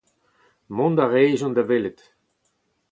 Mont a rejont da welout.